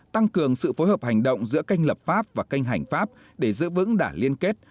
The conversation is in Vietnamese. tăng cường sự phối hợp hành động giữa kênh lập pháp và kênh hành pháp để giữ vững đả liên kết